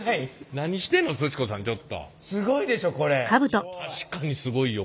確かにすごいよこれは。